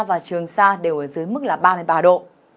và trường sa đều ở dưới mức là ba mươi ba độ